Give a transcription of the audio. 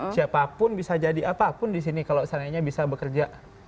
siapapun bisa jadi apapun di sini kalau seandainya bisa bekerja